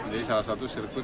jadi salah satu sirkuit